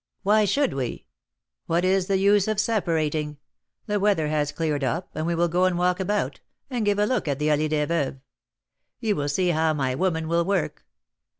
"Why should we?" "What is the use of separating? The weather has cleared up, and we will go and walk about, and give a look at the Allée des Veuves; you will see how my woman will work.